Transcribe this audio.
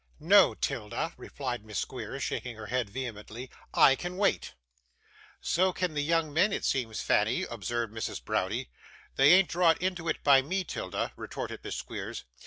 'No, 'Tilda,' replied Miss Squeers, shaking her head vehemently. 'I can wait.' 'So can the young men, it seems, Fanny,' observed Mrs. Browdie. 'They an't draw'd into it by ME, 'Tilda,' retorted Miss Squeers.